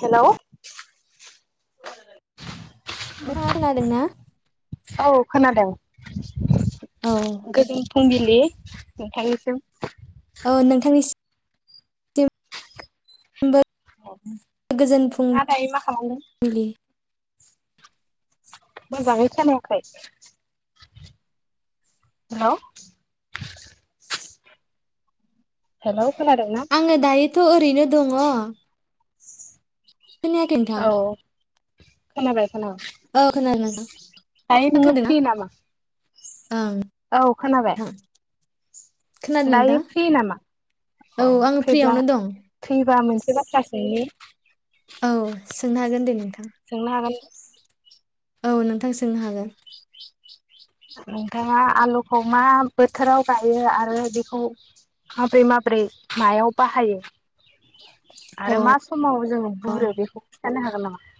Hello [unintelligible] औ खोनादों। औ [unintelligible] [unintelligible] नोंथांनिसिम औ नोंथांनि [unintelligible] गोजोन [unintelligible] मा खालामो फुंबिलि मोजाङै खोनायाखै हेलौ हेलौ खोनादोंना आङो दायोथ' ओरैनो दङ। [unintelligible] खोनयाखै नोंथां? औ खोनाबाय खोनाबाय। औ खोनादों नोंथां। दायो नोङो खोनादोंना फ्रि नामा? ओं। औ खोनाबाय खोनादों नोंथां दायो फ्रियो नामा औ अ आङो फ्रिब्ला फ्रियावनो दं -फ्रिबा मोनसे मोनसे बाथ्रासोंनि औ सोंनो हागोन दे नोंथां। सोंनो हागोन। औ नोंथां सोंनो हागोन। नोंथाङा आलुखौ मा बोथोराव गायो आरो बेखौ माबोरै माबोरै मायाव बाहायो? अ आरो मा समाव जोङो बुरो बेखौ खिन्थानो हागोन नामा? [inaudible]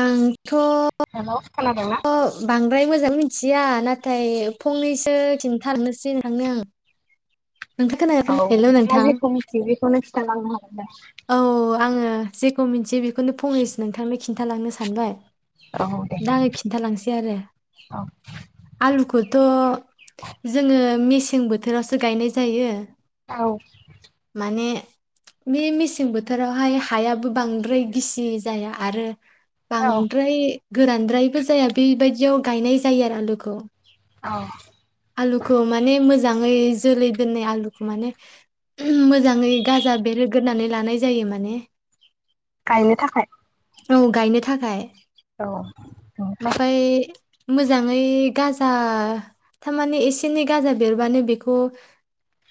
आं थ' थ' हेलौ खोनादोंना बां ओमफ्राय मोजां मिथिया नाथाय फंनैसो खिन्थारनोसै नोंथांनो आं । नोंथां खोनादोना खोनायाखै हेलौ नोंथां । खौनो खिथा लांनो हागोन दा । आङो जेखौ मिथियो बेखौ बेखौनो फंसै नोंथांनि खिन्थालांनो सानबाय औ दे । दा खिन्थालांनोसै आरो औ आलुखौ द' जोङो मि सें बोथोरावसो गायनाय जायो औ । बि मिसिं सें बोथोरावहाय हायाबो बांद्राय गिसि जाया आरो औ बांद्राय गोरानद्रायबो जाया बेबायदियाव गायनाय जायो आरो आलुखौ । औ आलुखौ माने मोजां जाङै जोलै दोननाय आलुखौ माने मोजाङै गाजा बेरो गोरोनानै लानाय जायो माने गायनो थाखाय । औ गायनो थाखाय । औ । ओमफ्राय मोजाङै गाजा थारमाने एसे एनै गाजा बेरबानो बेखौ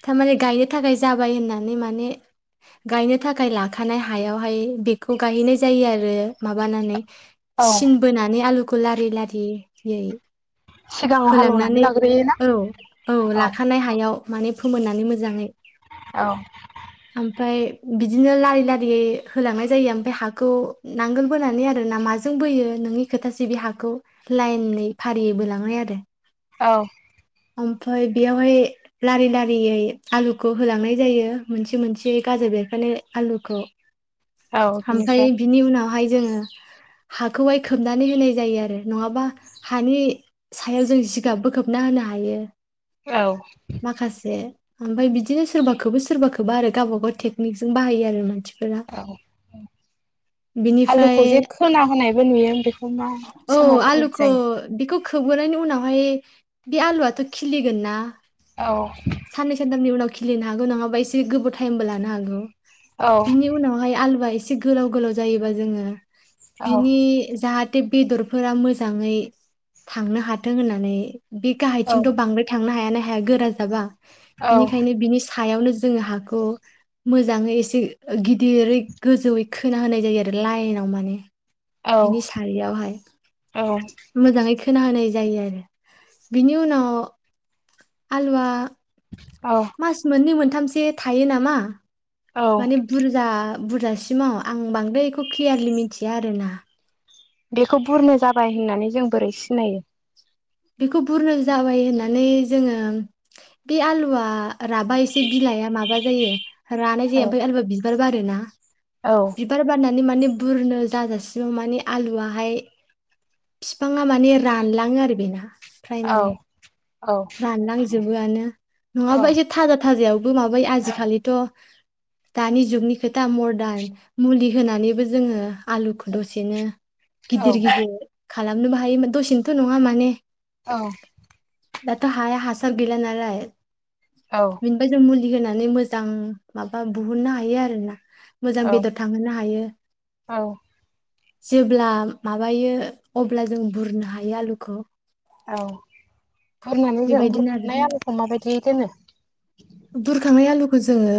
थारमाने गायनो थाखाय जाबाय होननानै माने गायनो थाखाय लाखानाय हायावहाय बेखौ गायहैनाय जायो आरो माबानानै औ सिन बोना आलुखौ लारि लारियै सिगाङाव हालेवनानै होलांनानै लाग्रोयोना औ औ लाखानाय हायाव माने फोमोननानै मोजाङै औ । ओमफ्राय बिदिनो लारि लारियै होलांनाय जायो ओमफ्राय हाखौ नांगोल बोनानै आरोना माजों बोयो नोंनि खोथासैबि हाखौ लाइननै फारियै बोलांनाय आरो । औ । ओमफफ्राय बेयावहाय लारि लारियै आलुखौ होलांनाय जायो मोनसे मोनसेयै गाज्रि बेरखानाय आलुखौ औ बिनिफ्राय ओमफ्राय बिनि उनावहाय जोङो हाखौहाय खोबनानै होनाय जायो आरो नङाबा हानि सायाव जों जिगाबबो खोबना होनो हायो औ ओमफफ्राय बिदिनो सोरबाखौबो सोरबाखौबो आरो गावबा गाव टेकनिकजों बाहायो आरो मानसि औ बिनिफ्राय आलुखौ जे खोना होनायबो नुयो बेखौ मा समाव खोनाय जायो खोबहोनायनि उनावहाय बे आलुआथ' खिलिगोन ना औ साननै सानथाम नि उनाव खिलिनो हागौ नङाबा एसे गोबाव टाइमबो लानो हागौ औ बिनि उनावहाय आलुआ एसे गोलाव गोलाव जायोबा जोङो औ बिनि जाहाथे बेदरफोरा मोजाङै थांनो हाथों होननानै बे औ गाहायथिंथ' बांदाय थांनो हायाना हाया गोरा जाबा औ बिनिखायनो बिनि सायावनो जोङो हाखौ बिनि सारियावहाय औ मोजाङै खोना होनोनाय जायो आरो बिनि उनाव आलुआ औ मास मोननै मोन थामसे थायो नामा औ माने बुरजा बुरजासिमाव आं बांद्राय बेखौ क्लियारलि मिथिया आरोना बेखौ बुरनो जाबाय होननानै जों बोरै सिनायो बेखौ बुरनो जाबाय होननानै जोङो बे आलुआ राबा एसे बिलाइआ माबा जायो रानाय जे औ ओमफ्राय आ बि बिबार बारोना औ बिबार बारनाय मानि माने बुरनो जाजासिमाव माने आलुआाहाय बिफांआ माने रानलाङो आरो बेना प्राय औ माने औ रानना जोबगानो औ नङाबा एसे थागोद थाजायावबो माबायो आजिखालिथ दानि जुगनि गिदिर गिदिर खालामनोबो हायोमोन दसेनोथ' नंङा माने औ दाथ' हाया हासार गैला नालाय बिनिफाय जों मुलि होनानै मोजां माबा बुहुननो हायो आरो ना मोजां औ बेदर थांहोनो हायो औ जेब्ला माबायो अब्ला जों बुरनो हायो आलुखौ औ बुरनानै जों बेबायदिनो आरो बुरखांनाय आलुखौ माबायदि दोनो बुरखांनाय आलुखौ जोंङो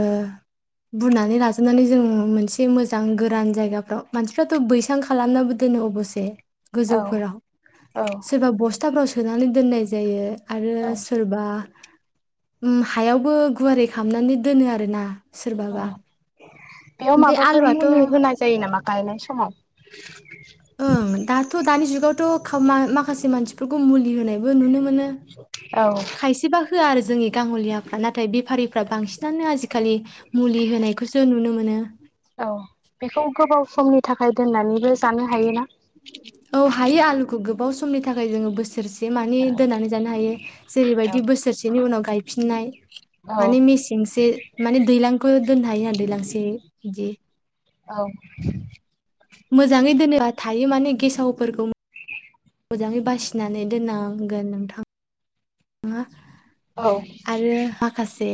बुरनानै लाजोबनानै जों मोनसे मोजां गोरान जायगाफ्राव मानसिफ्राथ बैसां खालामनाबो दोनो अबसे औ गोजौफोराव औ सोरबा बस्थाफ्राव सो सोनानै दोननाय जायो आरो औ सोरबा उम हायाव बो गुवारै खामनानै दोनो आरोना अ सोरबाबा बेयाव ओमफ्राय माबाफोर आलुआथ' मुलि होनाय जायो नामा गायनाय समाव ओं दाथ' दानि जुगावथ' माखासे मानसिफोरखौ मुलि होनायबो नुनो मोन नो औ खायसेबा होआ आरो जोंनि गाङलियाफ्रा नाथाय बेफारिफ्रा बांसिनानो आजिखालि मुलि होनायखौसो नुनो मोनो औ बेखौ गोबाव समनि थाखाय दोननानैबो जानो हायोना औ हायो आलुखौ गोबाव समनि थाखाय जोंङो बोस बोसोरसे मानि दोननानै जानो हायो जेरैबायदि बोसोरसेनि उनाव गायफिननाय औ माने मेसेंसो माने दैलांखो दोननो हायो [inaudible] दैलांसै इदि औ [unintelligible] मोजांङै दोनोबा थायो माने गेसावफोरखौ मोजांङै बासिनानै दोननांगोन नोंथा आ आरो माखासे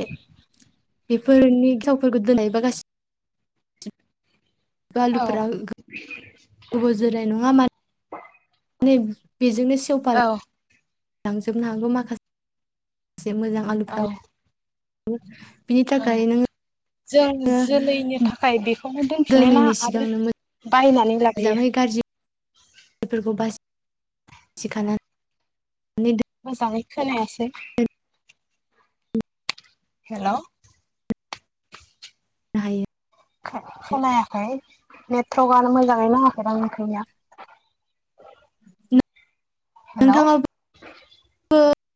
बेफोरनि थावफोरखो दोननायबा गासि औ लुफ्रा गो [unintelligible] बाव जोरनाय नंङा मा [inaudible] [unintelligible] बेजोंनो सेवफा औ लांजोबनो हागौ माखासे। एसे मोजां औ आलुफ्रा बो औ जों जोलैनि थाखाय बेखौहाय दोनफिनो ना दोनैनि आरो सिगांनो बायनानै लाबोयो? बेफोरखौ बास [inaudible] मोजाङै खोनायासै। हेल' हायो खोनायाखै नेटवर्कआनो मोजाङै नाङाखैदां ओंखायनो। नोंथाङा [inaudible] [unintelligible] [inaudible]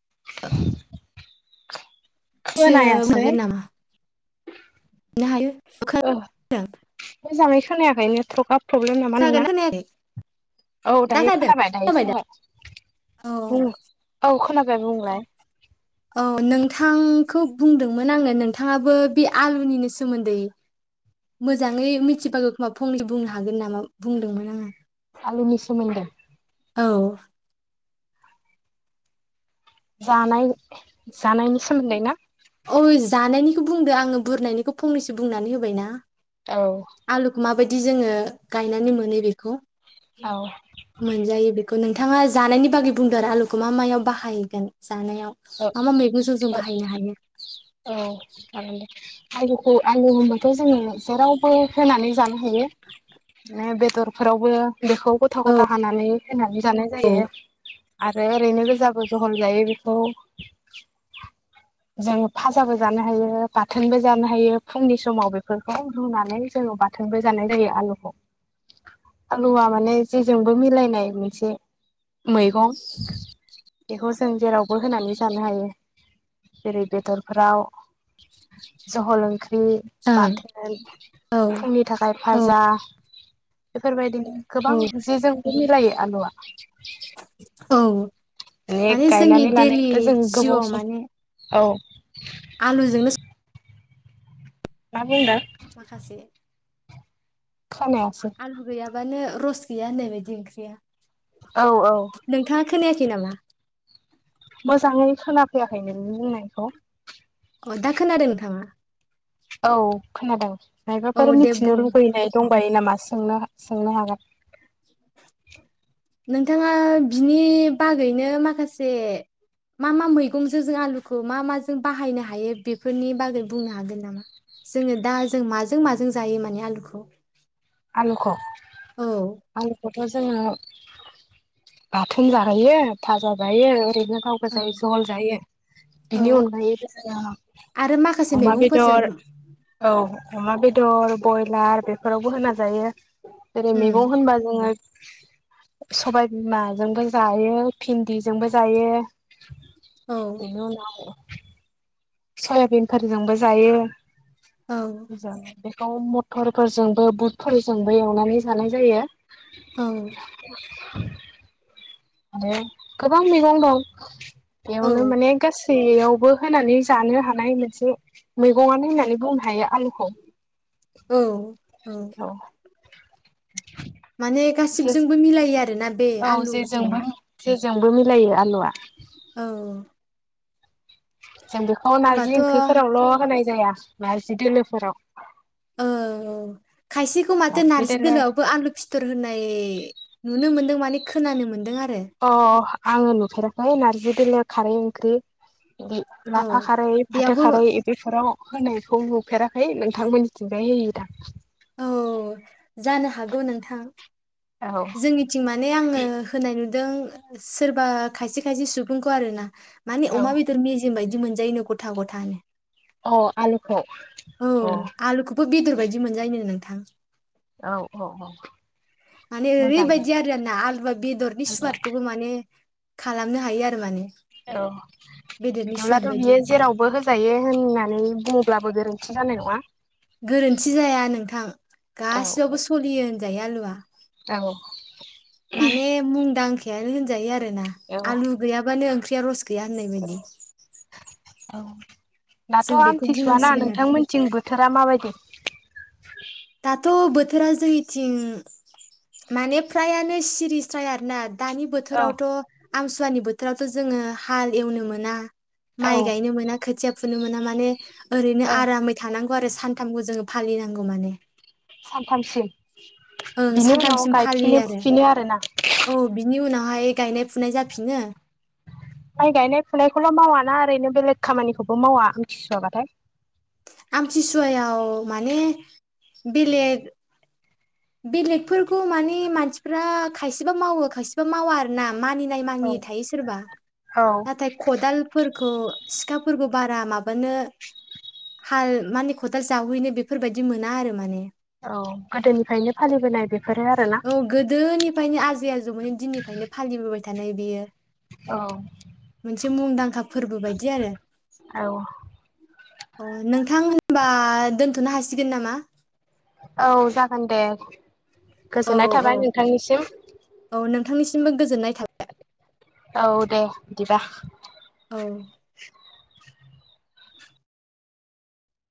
[inaudible] सो खोनायासै मोगोन नामा? [unintelligible] खोनायाखैनो ट्रक प्रब्लेम बुंनो हायो खोनादों नामा खोनागोनना खोनायाखै नोंना? औ दा दायो खोनादों खोनाबाय दायो दा औ खोनाबाय औ खोनाबाय। बुंलाय। औ नोंथांखौ बुंदोंमोन आंनो नोंथाङाबो बे आलुनिनो सोमोन्दै मोजाङै मिथिबागो खोमा फंनै बुंनो हागोन नामा बुंदोंमोन आङोव आलुनि सोमोन्दै औ जानाय जानायनि सोमोन्दै ना? ओइ जानायनिखौ बुंदो आङो बुरनायनिखौ फंनैसो बुंनानै होबायना। औ आलुखौ माबायदि जोङो गायनानै मोनो बेखौ। औ मोनजायो बे खौ नोंथाङा जानायनि बागै बुंदोंआरो आलुखौ मा मायाव बाहायगोन? जानायाव औ मा मा मेगंजों जों औ बाहायनो हायो जागोन दे। आलुखौ आलु होनब जों जेरावबो होनानै जानो हा होयो ना बेदरफोरावबो। बेखौ गथा गथा हानानै होनानै जानाय ओं जायो। आरो ओरैनो गोजाबो जहल जायो बेखौ। जों फाजाबो जानो हायो बाथोनबो जानो हायो फुंनि समाव बेफोरखौ रुनानै जोङो बाथोनबो जानाय जायो आलुखौ आलुआ माने जेजोंबो मिलायनाय मोनसे। मैगं बेखौ जों जेरावबो होनानै जानो हायो जेरै बेदरफ्राव जहल ओंख्रि बे औ बाथोन औ फुंनि थाखाय भाजा बेफोर बायदि औ गोबां जि जोंबो मिलायो आलुआ औ बे माने जोंनि गायनानै लानाय दैलि दा जों गोबाव जिउआव सम माने औ आलुजोंनो स मा बुंदों माखासे खानायासो बानो रस गैया होननाय बायदि ओंख्रिया औ औ नोंथाङा खोनाया खि नामा मोजाङै खोनाफैयाखै नोंनि बुंनायखौ। अ दा खोनादों नोंथाङा औ खोनादों। औ मायबाफोर दे मिथिनो बुं लुबैनाय दंबायो नामा सोंनो हा सोंनो हागोन। नोंथाङा बिनि बागैनो माखासे मा मा मैगंजों जों आलुखौ मा माजों बाहायनो हायो बेफोरनि बागै बुंनो हागोन नामा जोङो दा जों माजों माजों जायो माने आलुखौ आलुख' औ आलु खथ' जोङो बाथोन जाहैयो फाजा जायो ओरै बिदिनो गाव गोजायो ओं जहल जायो बिनि औ अनगायैबो जोङो आरो माखासे अमा मैगंफोरजों बेदर औ। अमा बेदर ब्रयलार बेफोरावबो होना जा दायो जेरै उम मैगं होनबा जोङो। सबाय बिमाजोंबो जायो भिन्दिजोंबो जायो। औ बिनि उनाव सयाबिनफोरजोंबो औ जायो। [inaudible] मथरफोरजोंबो बुटफोरजोंबो एवनानै जानाय जायो। औ। [inaudible] आरो गोबां मैगं दं। औ एयावनो माने गासैयाव बो होनानै जानो हानाय मोनसे मैगं होननानै बुंनो हायो। आलुखौ औ औ। माने जे गासिबजोंबो मिलायो आरोना। बे औ आलु जेजोंबो। होननाया जेजोंबो मिलायो आलुआ। औ जों बेखौ नारजि होमबाथ' ओंख्रिफोरावल' होनाय जाया। नारजि दोलोफोराव। ओ औ। खायसेखौ माथो नारजि दोलोआवबो आलु फिथर होनाय नुनो मोनो। माने खोनानो मोनदों आरो। अ आङो नुफेराखै नारजि दोलो खारै ओंख्रि औ लाफा खारै फाथो बेयावबो खारै इदिफोराव होनायखौ नुफेराखै नोंथांमोननिथिंजाय होयोदां। औ जानो हागौ नोंथां औ जोंनिथिं माने आङो होनाय नुदों । दों सोरबा खायसे खायसे सुबुंखौ आरोना। माने औ अमा बेदर मेजेम बायदि बिदि मोनजायो गथा गथानो। अ आलुखौ? औ आलुखौबो बेदर बायदि मोनजायोनो थां औ औ औ। माने मोजांना ओरैबायदि आरोना आलु बेदरनि आलुआ सुवादखौबो माने खालामनो हायो आरो माने। औ बेदरनि सुवाद बिदिब्लाथ' बायदि बियो जेरावबो होजायो होननानै नै बुङोब्लाबो गोरोन्थि जानाय नङा। गोरोन्थि जाया नोंथां औ गासियावबो सलियो। जाया आलुआ। औ माने मुंदां गानो होनजायो आरो ना औ आलु गैआ बानो बेेर' रज गैया होननाय बायदि औ औ दाथ' जों बेखौ आमथिसुवाना बुंनांसिगोन आरो नोंथांमोनथिं बोथोरा माबायदि [unintelligible] दाथ' बोथोरा जोंनिथिं माने फ्रायानो सिरिस थायो आरोना दानि औ बोथोरावथ' आमसुवानि बोथोरावथ' जोङो हाल एवनो मोना माइ औ गायनो मोना खोथिया मोना माने ओरैनो औ आरामै थानांग आरो सानथामखौ जोङो फालिनांगौ माने सानथामसिम ओं बिनि उनाव सानथामसिम गायफिनो फालियो आरो फुफिनो आरोना औ बिनि उनावहाय गायनाय फुनाय जाफिनो माइ गायनाय फुनायखौल' मावाना ओरैनो बेलेग खामानिखौबो मावा उथिसुवाबाथाय आमतिसुवाव माने बेलेग बेलेगफोरखौ माने मानसिफ्रा खायसेबा मावो खायसेबा मावा आर ना मानिनाय औ मानि थायो सोरबा औ नाथाय खदाल फोरखौ सिखाफोरखौ बारा माबानो हाल माने खदाल जावहैनो बेफोरबायदि मोना आरो माने औ गोदोनिफ्रायनो फालिबोनाय बेफोर औ गोदोनिफ्रायनो आजै आजौमोन दिननिफ्रायनो फालिबोबाय थानाय बियो। औ मोनसे मुंदांखा फोरबो बायदि आरो औ अ नोंथां होनबा दोनथ'नो हासिगोन नामा औ जागोन दे। औ गोजोननाय थाबाय नोंथांनिसिम थांनिसिमबो गोजोनाय थाबाय। औ दे बिदिबा। औ